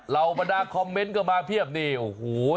บรรดาคอมเมนต์ก็มาเพียบนี่โอ้โห